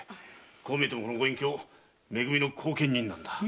こう見えてもこのご隠居め組の後見人なんだ。